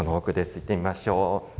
行ってみましょう。